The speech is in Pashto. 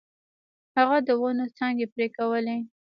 هغه د ونو څانګې پرې کولې.